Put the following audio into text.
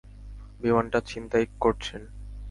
বিমানটা ছিনতাই করছেন।